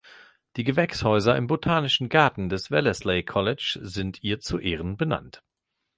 Die Gewächshäuser im Botanischen Garten des Wellesley College sind ihr zu Ehren benannt.